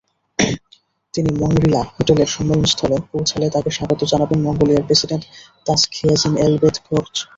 তিনি মাংরিলা হোটেলের সম্মেলনস্থলে পৌঁছালে তাঁকে স্বাগত জানাবেন মঙ্গোলিয়ার প্রেসিডেন্ট তাসখিয়াজিন এলবেগদর্জ।